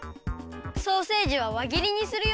ソーセージはわぎりにするよ。